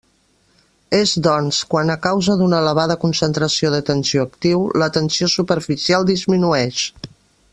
És, doncs, quan a causa d'una elevada concentració de tensioactiu, la tensió superficial disminueix.